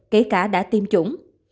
kể cả đã tiêm chủng